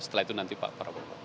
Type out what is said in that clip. setelah itu nanti pak prabowo